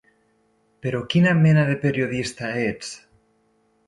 Però quina mena de periodista ets?